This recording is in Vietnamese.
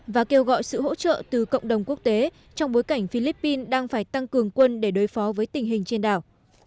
và kêu gọi sự hỗ trợ từ cộng đồng quốc tế trong bối cảnh philippines đang phải tăng cường quân để đối phó với tình hình trên đảo